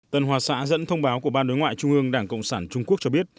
tân hòa xã dẫn thông báo của ban đối ngoại trung ương đảng cộng sản trung quốc cho biết